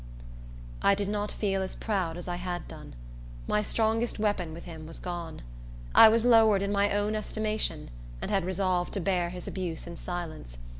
I did not feel as proud as I had done. My strongest weapon with him was gone. I was lowered in my own estimation, and had resolved to bear his abuse in silence.